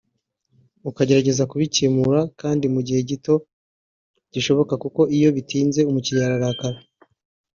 ukagerageza kubikemura kandi mu gihe gito gishoboka kuko iyo bitinze umukiriya ararakara